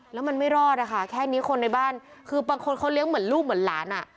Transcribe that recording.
แล้วมันไม่รอดอะค่ะแค่นี้คนในบ้านคือบางคนเขาเลี้ยงเหมือนลูกเหมือนหลานอ่ะ